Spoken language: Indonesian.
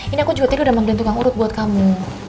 ini aku juga tidur udah menggantung tukang urut buat kamu